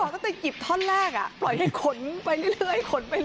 ไม่บอกตั้งแต่หยิบท่อนแรกอ่ะปล่อยให้ขนไปเรื่อย